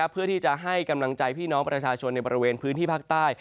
เพื่อที่จะให้กำลังใจพี่น้องประชาชนในบริเวณพื้นที่ภาคใต้